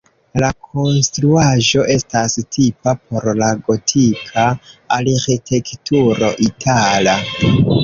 La konstruaĵo estas tipa por la gotika arĥitekturo itala.